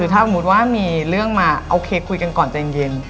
ถ้าจับว่ามีเรื่องมาคุยก่อนใจเย็น